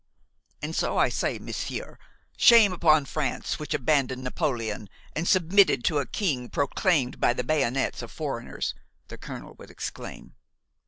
"And so I say, monsieur, shame upon France, which abandoned Napoléon and submitted to a king proclaimed by the bayonets of foreigners!" the colonel would exclaim.